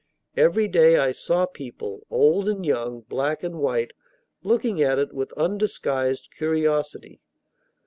Every day I saw people, old and young, black and white, looking at it with undisguised curiosity.